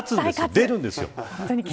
出るんです。